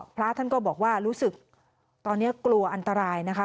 พระท่านก็บอกว่ารู้สึกตอนนี้กลัวอันตรายนะคะ